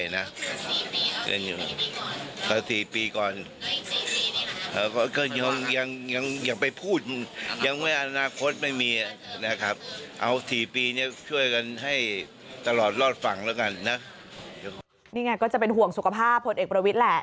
นี่ไงก็จะเป็นห่วงสุขภาพพลเอกประวิทย์แหละ